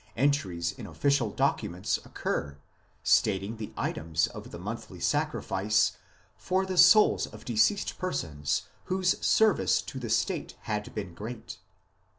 ... Entries in official documents occur, stating the items of the monthly sacrifice for the souls of deceased persons whose service to the State had been great.